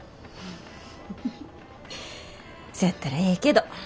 フフフフそやったらええけど。